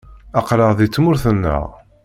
Aql-aɣ deg tmurt-nteɣ.